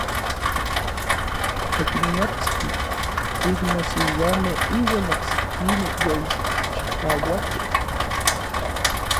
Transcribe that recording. Okinnotski iknosiuamej iuan oksekimej yolchipauakej.